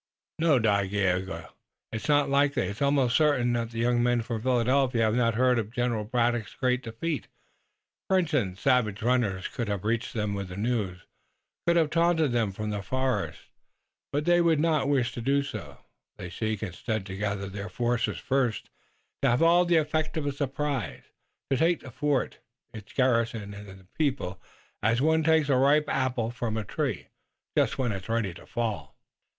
"No, Dagaeoga, it is not likely. It is almost certain that the young men from Philadelphia have not heard of General Braddock's great defeat. French and savage runners could have reached them with the news, could have taunted them from the forest, but they would not wish to do so; they seek instead to gather their forces first, to have all the effect of surprise, to take the fort, its garrison and the people as one takes a ripe apple from a tree, just when it is ready to fall."